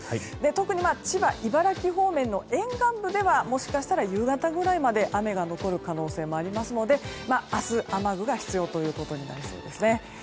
特に千葉、茨城方面の沿岸部ではもしかしたら夕方ぐらいまで雨が残る可能性もあるので明日雨具が必要となりそうです。